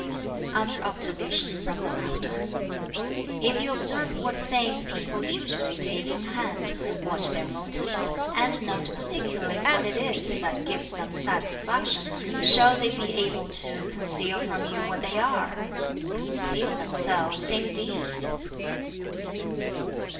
Other observations of the Master: "If you observe what things people (usually) take in hand, watch their motives, and note particularly what it is that gives them satisfaction, shall they be able to conceal from you what they are? Conceal themselves, indeed!